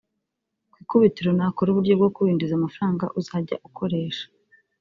Ku ikubitiro nakora uburyo bwo kuwinjiriza amafaranga uzajya ukoresha